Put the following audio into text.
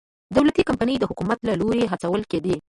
دولتي کمپنۍ د حکومت له لوري هڅول کېدې.